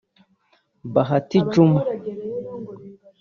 Bahati Juma